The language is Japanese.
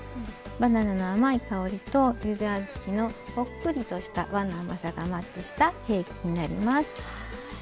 バナナの甘い香りとゆで小豆のほっくりとした和の甘さがマッチしたケーキになります。